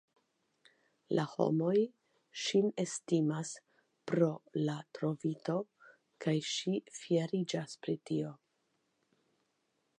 La homoj ŝin estimas pro la trovito, kaj ŝi fieriĝas pro tio.